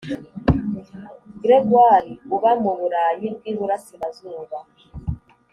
Gregory uba mu Burayi bw iburasirazuba